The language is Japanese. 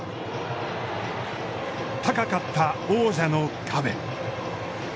高かった王者の壁。